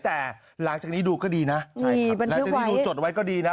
แต่หลังจากนี้ดูก็ดีนะหลังจากนี้ดูจดไว้ก็ดีนะ